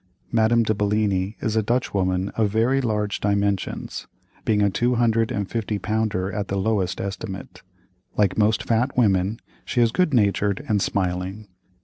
Madame de Bellini is a Dutchwoman of very large dimensions, being a two hundred and fifty pounder at the lowest estimate. Like most fat women, she is good natured and smiling.